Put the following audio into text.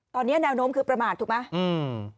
ตอนนี้แนวโน้มคือประมาทถูกไหมอืม